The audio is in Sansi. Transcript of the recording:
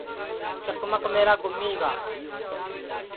چکمک میرا گُمیگا